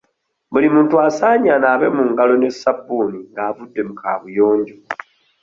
Buli muntu asaanye anaabe mu ngalo ne ssabbuuni nga avudde mu kaabuyonjo.